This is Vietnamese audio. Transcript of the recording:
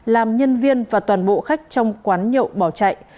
làm nhân viên và toàn bộ khách trong quán nhậu bỏ chạy